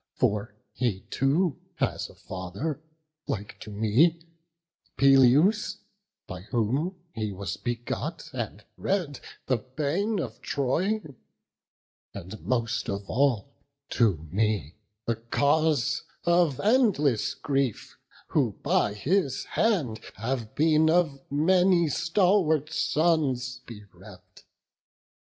For he too has a father, like to me; Peleus, by whom he was begot, and bred, The bane of Troy; and, most of all, to me The cause of endless grief, who by his hand Have been of many stalwart sons bereft.